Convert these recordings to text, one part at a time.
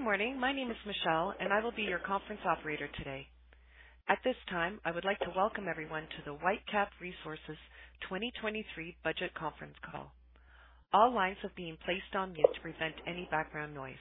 Good morning. My name is Michelle, and I will be your conference operator today. At this time, I would like to welcome everyone to the Whitecap Resources 2023 Budget Conference Call. All lines have been placed on mute to prevent any background noise.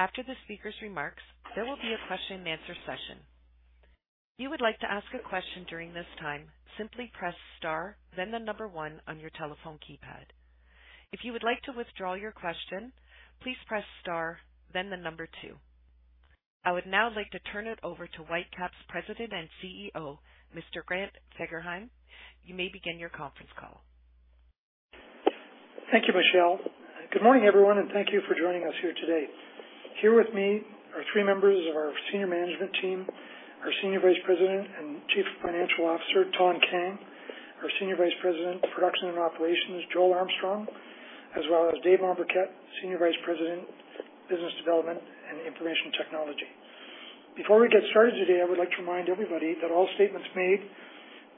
After the speaker's remarks, there will be a question-and-answer session. If you would like to ask a question during this time, simply press star, then the number one on your telephone keypad. If you would like to withdraw your question, please press star, then the number two. I would now like to turn it over to Whitecap Resources' President and CEO, Mr. Grant Fagerheim. You may begin your conference call. Thank you, Michelle. Good morning, everyone, and thank you for joining us here today. Here with me are three members of our senior management team: our Senior Vice President and Chief Financial Officer, Thanh Kang; our Senior Vice President, Production and Operations, Joel Armstrong; as well as David Mombourquette, Senior Vice President, Business Development and Information Technology. Before we get started today, I would like to remind everybody that all statements made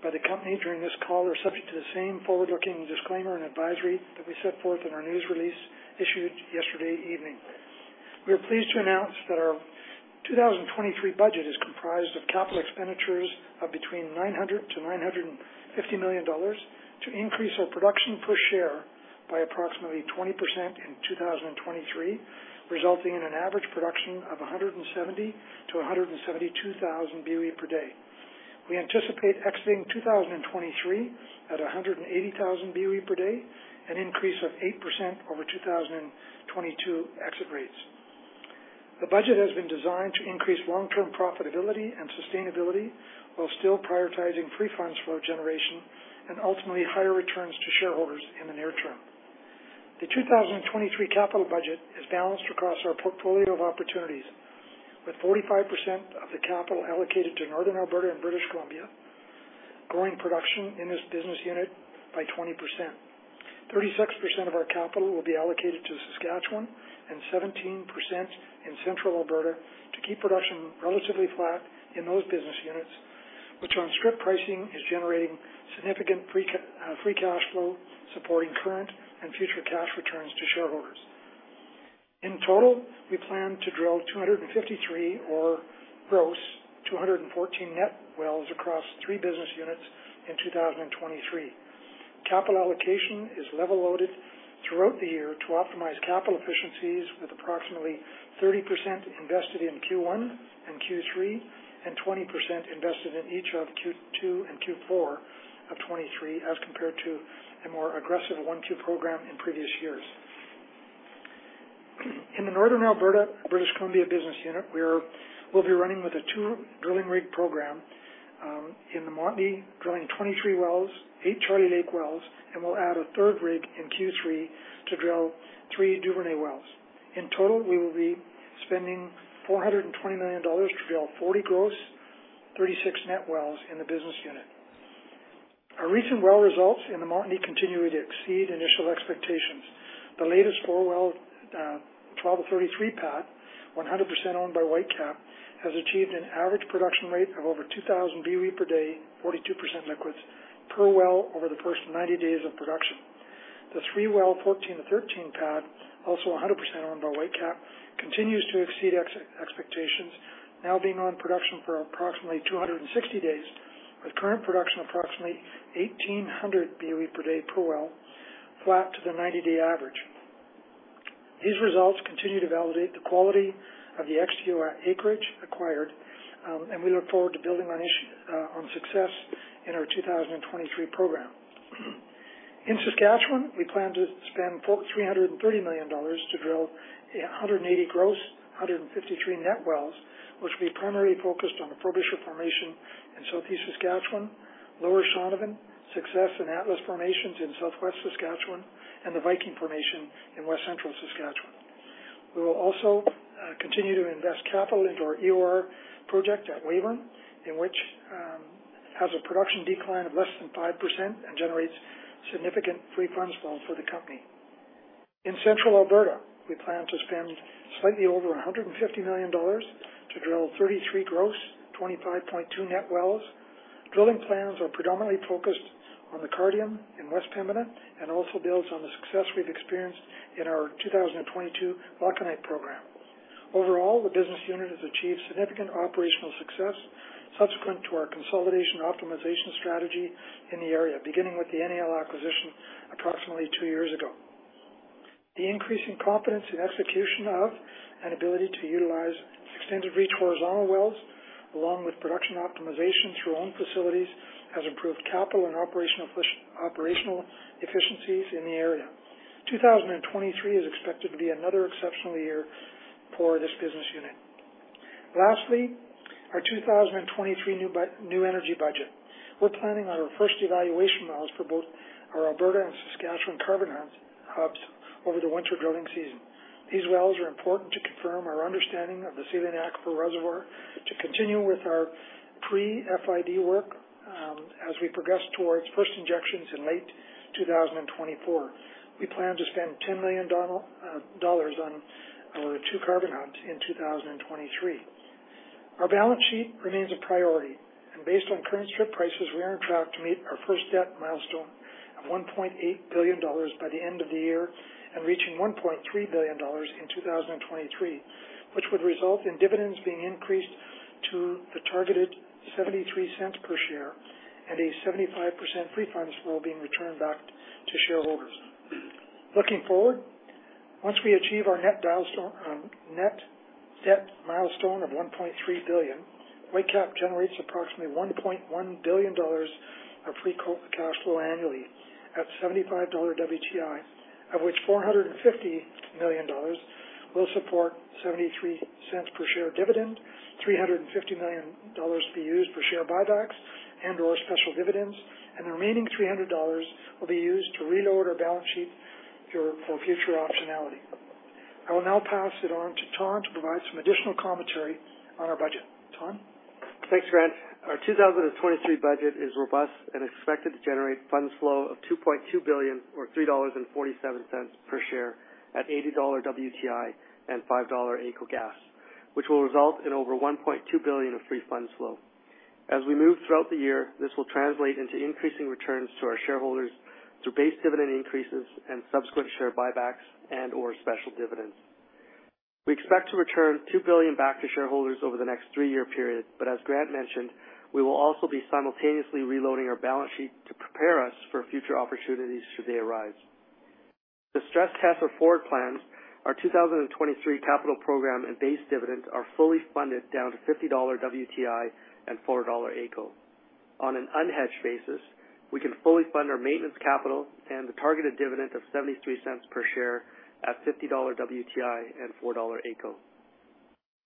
by the company during this call are subject to the same forward-looking disclaimer and advisory that we set forth in our news release issued yesterday evening. We are pleased to announce that our 2023 budget is comprised of capital expenditures of between 900 million-950 million dollars to increase our production per share by approximately 20% in 2023, resulting in an average production of 170,000-172,000 BOE per day. We anticipate exiting 2023 at 180,000 BOE per day, an increase of 8% over 2022 exit rates. The budget has been designed to increase long-term profitability and sustainability while still prioritizing free funds flow generation and ultimately higher returns to shareholders in the near term. The 2023 capital budget is balanced across our portfolio of opportunities, with 45% of the capital allocated to Northern Alberta and British Columbia, growing production in this business unit by 20%. 36% of our capital will be allocated to Saskatchewan and 17% in Central Alberta to keep production relatively flat in those business units, which on strip pricing is generating significant free cash flow, supporting current and future cash returns to shareholders. In total, we plan to drill 253 gross or 214 net wells across three business units in 2023. Capital allocation is level loaded throughout the year to optimize capital efficiencies, with approximately 30% invested in Q1 and Q3 and 20% invested in each of Q2 and Q4 of 2023, as compared to a more aggressive 1Q program in previous years. In the Northern Alberta-British Columbia business unit, we will be running with a two drilling rig program in the Montney, drilling 23 wells, eight Charlie Lake wells, and we'll add a third rig in Q3 to drill three Duvernay wells. In total, we will be spending 420 million dollars to drill 40 gross, 36 net wells in the business unit. Our recent well results in the Montney continue to exceed initial expectations. The latest four-well 12-33 pad, 100% owned by Whitecap Resources, has achieved an average production rate of over 2,000 BOE per day, 42% liquids per well over the first 90 days of production. The three well 14-13 pad, also 100% owned by Whitecap Resources, continues to exceed expectations, now being on production for approximately 260 days, with current production approximately 1,800 BOE per day per well, flat to the 90-day average. These results continue to validate the quality of the ex-NAL acreage acquired, and we look forward to building on success in our 2023 program. In Saskatchewan, we plan to spend CAD $330 million to drill 180 gross, 153 net wells, which will be primarily focused on the Frobisher Formation in Southeast Saskatchewan, Lower Shaunavon, Success and Atlas Formations in Southwest Saskatchewan, and the Viking Formation in West Central Saskatchewan. We will also continue to invest capital into our EOR project at Weyburn, which has a production decline of less than 5% and generates significant free funds flow for the company. In Central Alberta, we plan to spend slightly over 150 million dollars to drill 33 gross, 25.2 net wells. Drilling plans are predominantly focused on the Cardium in West Pembina and also builds on the success we've experienced in our 2022 Glauconite program. Overall, the business unit has achieved significant operational success subsequent to our consolidation optimization strategy in the area, beginning with the NAL acquisition approximately two years ago. The increase in confidence in execution of and ability to utilize extended reach horizontal wells, along with production optimization through own facilities, has improved capital and operational efficiencies in the area. 2023 is expected to be another exceptional year for this business unit. Lastly, our 2023 new energy budget. We're planning on our first evaluation wells for both our Alberta and Saskatchewan carbon hubs over the winter drilling season. These wells are important to confirm our understanding of the Saline Aquifer Reservoir, to continue with our pre-FID work as we progress towards first injections in late 2024. We plan to spend 10 million dollars on our two carbon hubs in 2023. Our balance sheet remains a priority, and based on current strip prices, we are on track to meet our first debt milestone of 1.8 billion dollars by the end of the year and reaching 1.3 billion dollars in 2023, which would result in dividends being increased to the targeted 0.73 per share and a 75% free funds flow being returned back to shareholders. Looking forward, once we achieve our net debt milestone of 1.3 billion, Whitecap Resources generates approximately 1.1 billion dollars of free cash flow annually at $75 WTI, of which 450 million dollars will support 0.73 per share dividend, 350 million dollars to be used for share buybacks and/or special dividends, and the remaining 300 dollars will be used to reload our balance sheet for future optionality. I will now pass it on to Thanh to provide some additional commentary on our budget. Thanh? Thanks, Grant. Our 2023 budget is robust and expected to generate funds flow of 2.2 billion, or 3.47 dollars per share at $80 WTI and 5.00 dollar AECO gas, which will result in over 1.2 billion of free funds flow. As we move throughout the year, this will translate into increasing returns to our shareholders through base dividend increases and subsequent share buybacks and/or special dividends. We expect to return 2 billion back to shareholders over the next three-year period, but as Grant mentioned, we will also be simultaneously reloading our balance sheet to prepare us for future opportunities should they arise. The stress tests or forward plans, our 2023 capital program and base dividend are fully funded down to $50 WTI and 4.00 dollar AECO. On an unhedged basis, we can fully fund our maintenance capital and the targeted dividend of 0.73 per share at $50 WTI and CAD 4.00 AECO.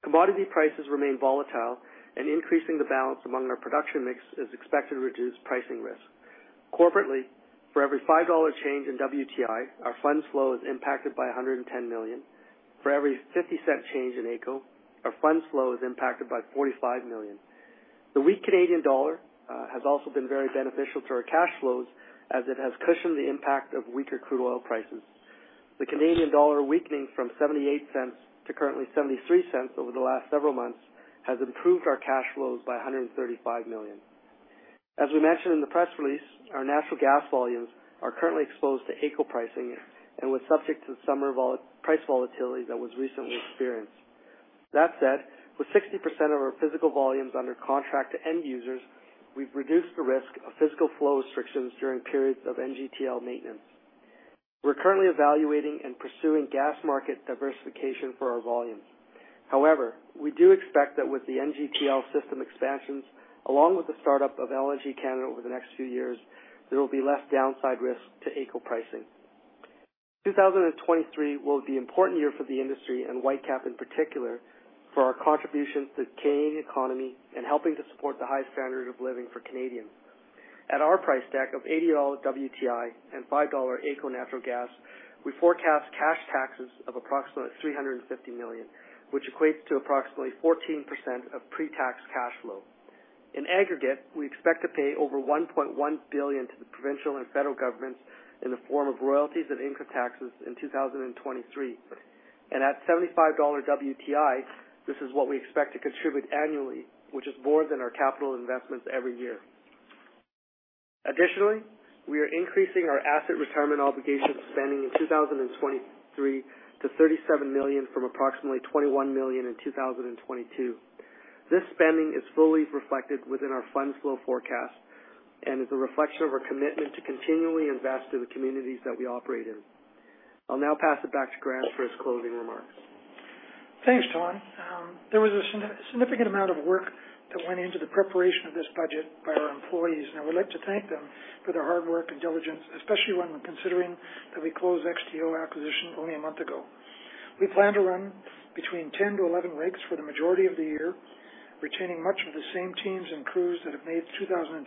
Commodity prices remain volatile, and increasing the balance among our production mix is expected to reduce pricing risk. Corporately, for every $5 change in WTI, our funds flow is impacted by 110 million. For every 0.50 change in AECO, our funds flow is impacted by 45 million. The weak Canadian dollar has also been very beneficial to our cash flows as it has cushioned the impact of weaker crude oil prices. The Canadian dollar weakening from $0.78 to currently $0.73 over the last several months has improved our cash flows by 135 million. As we mentioned in the press release, our natural gas volumes are currently exposed to AECO pricing and were subject to the summer price volatility that was recently experienced. That said, with 60% of our physical volumes under contract to end users, we've reduced the risk of physical flow restrictions during periods of NGTL maintenance. We're currently evaluating and pursuing gas market diversification for our volumes. However, we do expect that with the NGTL system expansions, along with the startup of LNG Canada over the next few years, there will be less downside risk to AECO pricing. 2023 will be an important year for the industry and Whitecap Resources in particular for our contribution to the Canadian economy and helping to support the high standard of living for Canadians. At our price stack of $80 WTI and $5.00 AECO natural gas, we forecast cash taxes of approximately $350 million, which equates to approximately 14% of pre-tax cash flow. In aggregate, we expect to pay over 1.1 billion to the provincial and federal governments in the form of royalties and income taxes in 2023. At $75 WTI, this is what we expect to contribute annually, which is more than our capital investments every year. Additionally, we are increasing our asset retirement obligation spending in 2023 to 37 million from approximately 21 million in 2022. This spending is fully reflected within our funds flow forecast and is a reflection of our commitment to continually invest in the communities that we operate in. I'll now pass it back to Grant for his closing remarks. Thanks, Thanh. There was a significant amount of work that went into the preparation of this budget by our employees, and I would like to thank them for their hard work and diligence, especially when considering that we closed XTO acquisition only a month ago. We plan to run between 10 to 11 rigs for the majority of the year, retaining much of the same teams and crews that have made 2022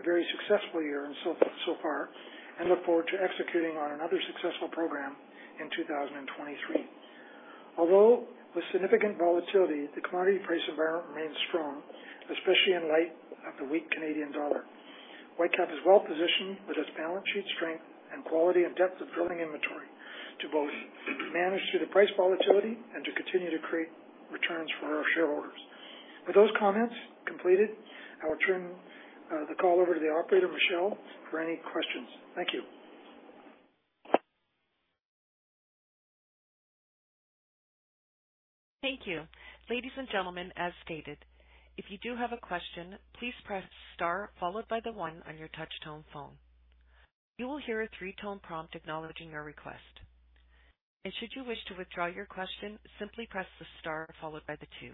a very successful year so far, and look forward to executing on another successful program in 2023. Although with significant volatility, the commodity price environment remains strong, especially in light of the weak Canadian dollar. Whitecap Resources is well positioned with its balance sheet strength and quality and depth of drilling inventory to both manage through the price volatility and to continue to create returns for our shareholders. With those comments completed, I will turn the call over to the operator, Michelle, for any questions. Thank you. Thank you. Ladies and gentlemen, as stated, if you do have a question, please press star followed by the one on your touch tone phone. You will hear a three-tone prompt acknowledging your request. And should you wish to withdraw your question, simply press the star followed by the two.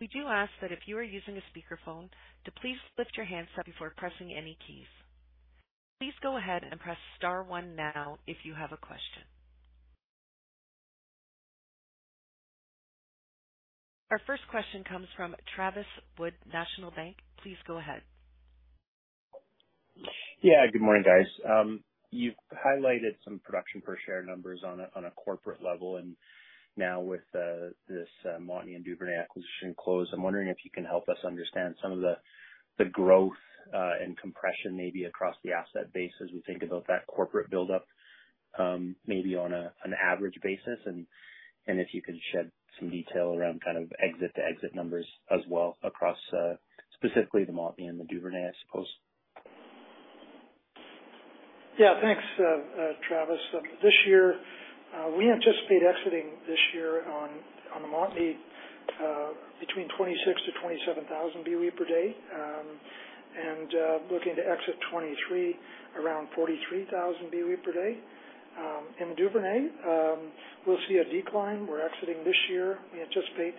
We do ask that if you are using a speakerphone, to please lift your hands up before pressing any keys. Please go ahead and press star one now if you have a question. Our first question comes from Travis Wood, National Bank. Please go ahead. Yeah, good morning, guys. You've highlighted some production per share numbers on a corporate level, and now with this Montney and Duvernay acquisition closed, I'm wondering if you can help us understand some of the growth and compression maybe across the asset base as we think about that corporate buildup maybe on an average basis. And if you could shed some detail around kind of exit to exit numbers as well across specifically the Montney and the Duvernay, I suppose. Yeah, thanks, Travis. This year, we anticipate exiting this year on the Montney between 26,000-27,000 BOE per day and looking to exit 2023 around 43,000 BOE per day. In the Duvernay, we'll see a decline. We're exiting this year. We anticipate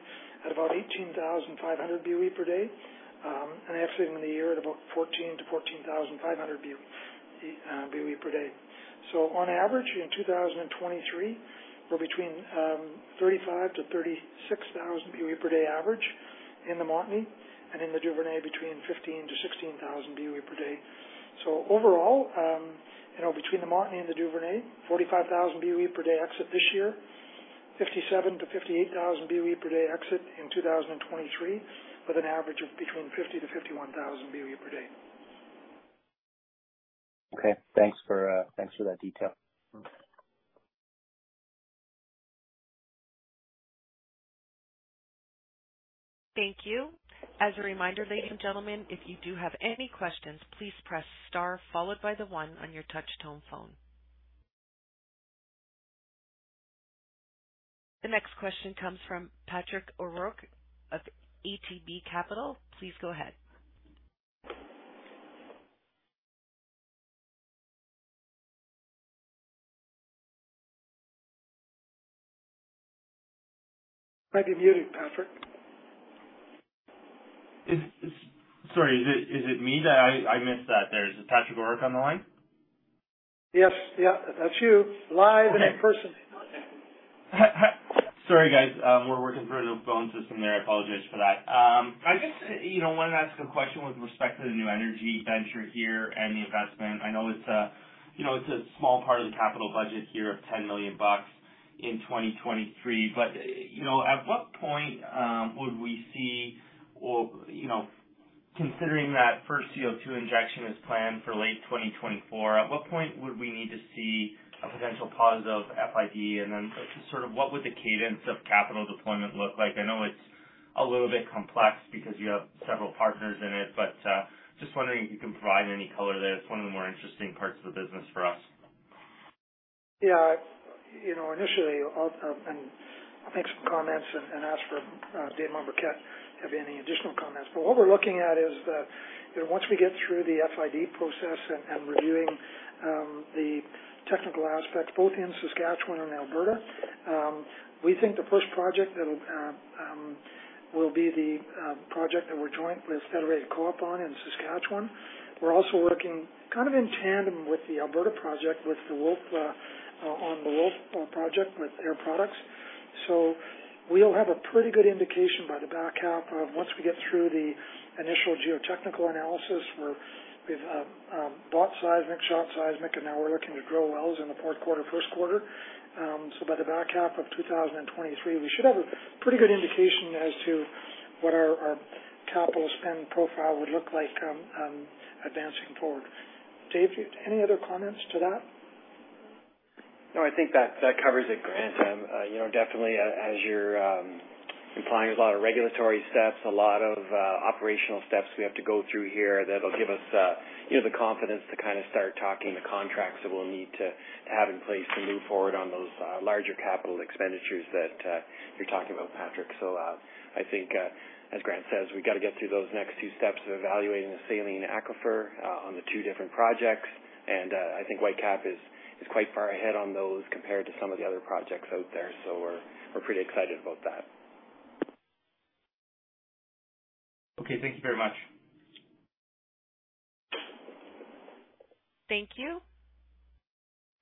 at about 18,500 BOE per day and exiting the year at about 14,000-14,500 BOE per day. So on average in 2023, we're between 35,000-36,000 BOE per day average in the Montney and in the Duvernay between 15,000-16,000 BOE per day. So overall, between the Montney and the Duvernay, 45,000 BOE per day exit this year, 57,000-58,000 BOE per day exit in 2023 with an average of between 50,000-51,000 BOE per day. Okay. Thanks for that detail. Thank you. As a reminder, ladies and gentlemen, if you do have any questions, please press star followed by the one on your touch tone phone. The next question comes from Patrick O'Rourke of ATB Capital. Please go ahead. I'm muted, Patrick. Sorry, is it me? I missed that. There's Patrick O'Rourke on the line. Yes. Yeah, that's you. Live and in person. Sorry, guys. We're working through a phone system there. I apologize for that. I just wanted to ask a question with respect to the new energy venture here and the investment. I know it's a small part of the capital budget here of 10 million bucks in 2023, but at what point would we see, considering that first CO2 injection is planned for late 2024, at what point would we need to see a potential positive FID? And then sort of what would the cadence of capital deployment look like? I know it's a little bit complex because you have several partners in it, but just wondering if you can provide any color there. It's one of the more interesting parts of the business for us. Yeah. Initially, I'll make some comments and ask for David Mombourquette to have any additional comments. But what we're looking at is that once we get through the FID process and reviewing the technical aspects both in Saskatchewan and Alberta, we think the first project that will be the project that we're joint with Federated Co-op on in Saskatchewan. We're also working kind of in tandem with the Alberta project on the Wolf project with their products. So we'll have a pretty good indication by the back half of once we get through the initial geotechnical analysis where we've bought seismic, shot seismic, and now we're looking to drill wells in the fourth quarter, first quarter. So by the back half of 2023, we should have a pretty good indication as to what our capital spend profile would look like advancing forward. Dave, any other comments to that? No, I think that covers it, Grant. Definitely, as you're implying, there's a lot of regulatory steps, a lot of operational steps we have to go through here that'll give us the confidence to kind of start talking the contracts that we'll need to have in place to move forward on those larger capital expenditures that you're talking about, Patrick, so I think, as Grant says, we've got to get through those next two steps of evaluating the saline aquifer on the two different projects, and I think Whitecap Resources is quite far ahead on those compared to some of the other projects out there, so we're pretty excited about that. Okay. Thank you very much. Thank you.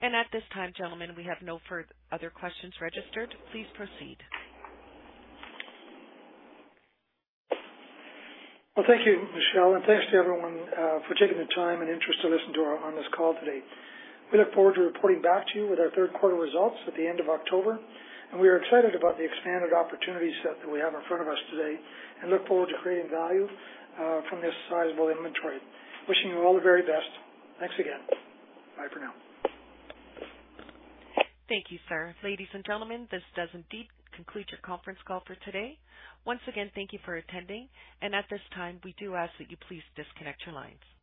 At this time, gentlemen, we have no further questions registered. Please proceed. Thank you, Michelle, and thanks to everyone for taking the time and interest to listen to us on this call today. We look forward to reporting back to you with our third quarter results at the end of October. And we are excited about the expanded opportunities that we have in front of us today and look forward to creating value from this sizable inventory. Wishing you all the very best. Thanks again. Bye for now. Thank you, sir. Ladies and gentlemen, this does indeed conclude your conference call for today. Once again, thank you for attending. At this time, we do ask that you please disconnect your lines.